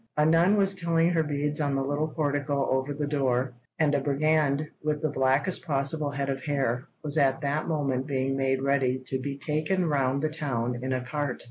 A nun was telling her beads on the little portico over the door; and a brigand, with the blackest possible head of hair, was at that moment being made ready to be taken round the town in a cart.